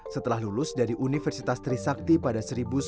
setelah lulus dari universitas trisakti pada seribu sembilan ratus sembilan puluh